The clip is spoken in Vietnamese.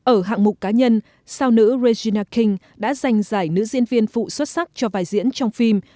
ở hạng mục cá nhân sao nữ regina king đã giành giải nữ diễn viên phụ xuất sắc cho bài diễn trong phim